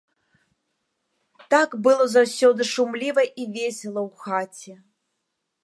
Так было заўсёды шумліва і весела ў хаце!